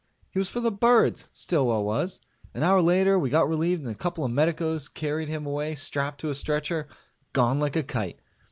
He was for the birds, Stillwell was. An hour later we got relieved and a couple of medicos carried him away strapped to a stretcher gone like a kite.